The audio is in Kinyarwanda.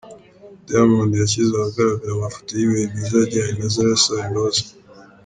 Diamond yashyize ahagaragara amafoto y’ibihe byiza yagiranye na zari asaba imbabazi.